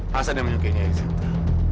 hasan yang menyukainya nyai sinta